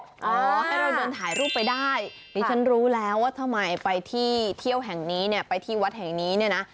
อ๋อให้เราเดินถ่ายรูปไปได้ดิฉันรู้แล้วว่าทำไมไปที่เที่ยวแห่งนี้เนี่ยไปที่วัดแห่งนี้เนี่ยนะ